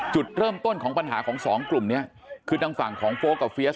จุดเริ่มต้นของปัญหาของสองกลุ่มนี้คือทางฝั่งของโฟลกกับเฟียส